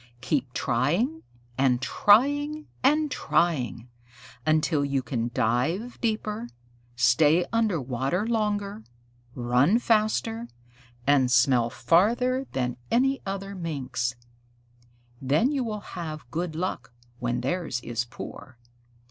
"Keep trying and trying and trying, until you can dive deeper, stay under water longer, run faster, and smell farther than other Minks. Then you will have good luck when theirs is poor.